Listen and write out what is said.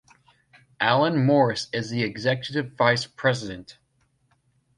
Alan Morris is the executive vice president.